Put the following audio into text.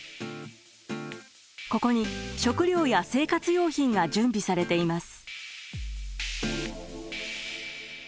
ここに食料や生活用品が準備されています。